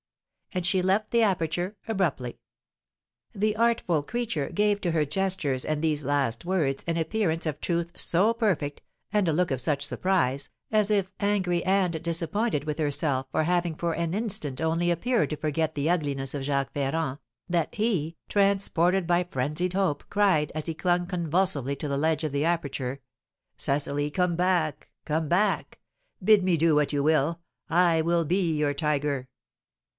and she left the aperture abruptly. The artful creature gave to her gestures and these last words an appearance of truth so perfect, and a look of such surprise, as if angry and disappointed with herself for having for an instant only appeared to forget the ugliness of Jacques Ferrand, that he, transported by frenzied hope, cried, as he clung convulsively to the ledge of the aperture: "Cecily, come back, come back! Bid me do what you will, I will be your tiger."